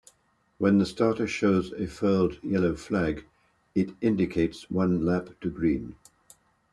When the starter shows a furled yellow flag, it indicates one lap to green.